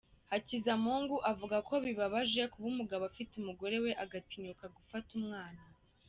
Hakizamungu avuga ko bibabaje kuba umugabo afite umugore we agatinyuka gufata umwana.